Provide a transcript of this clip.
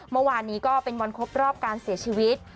เมื่อวานนี้ก็เป็นวันครบรอบการเสียชีวิต